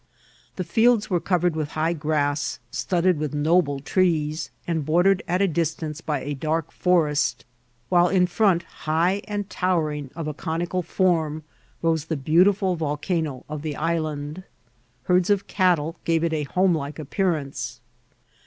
The fields were coTered with high graasi studded with noble trees, and border ed at a distance by a dark forest, while in firont, high and towering, of a conical fcnrm, rose the beautiful vol cano of the island. Herds of cattle gare it a home like appearance.